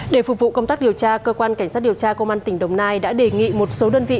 để phục vụ công tác điều tra cơ quan cảnh sát điều tra công an tp hcm đã đề nghị một số đơn vị